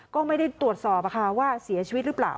ก็ไม่ได้ตรวจสอบว่าเสียชีวิตหรือเปล่า